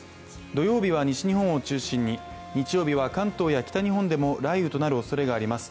土曜日は西日本を中心に日曜日は関東や北日本でも雷雨となるおそれがあります。